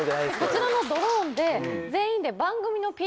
こちらのドローンで。